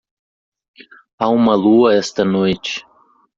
Há uma lua esta noite.